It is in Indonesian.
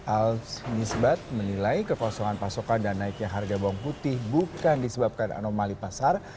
al misbat menilai kekosongan pasokan dan naiknya harga bawang putih bukan disebabkan anomali pasar